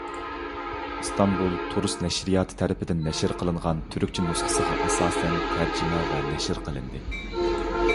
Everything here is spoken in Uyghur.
ئىستانبۇل «تۇرۇس نەشرىياتى» تەرىپىدىن نەشر قىلىنغان تۈركچە نۇسخىسىغا ئاساسەن تەرجىمە ۋە نەشر قىلىندى.